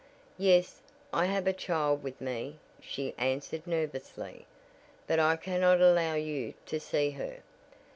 "Yes, I have a child with me," she answered nervously, "but I cannot allow you to see her."